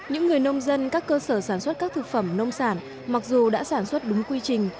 những người nông dân các cơ sở sản xuất các thực phẩm nông sản mặc dù đã sản xuất đúng quy trình